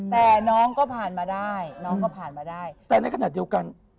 แต่น้องก็ผ่านมาได้น้องก็ผ่านมาได้แต่ในขณะเดียวกัน